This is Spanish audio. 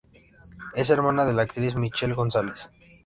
Es hermana de la actriz Michelle González.